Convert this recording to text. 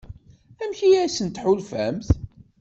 Amek i asent-tḥulfamt?